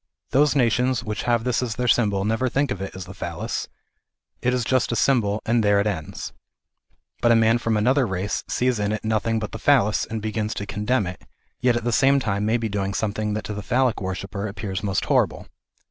Those nations which have this as their symbol, never think of it as the Phallas ; it is just a symbol, and there it ends. But a man from another race sees in it nothing but the Phallas, and begins to condemn it, yet at the same time may be doing something that to the Phallic worshipper appears most horrible.